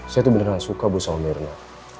saya tuh beneran suka bu sama mirna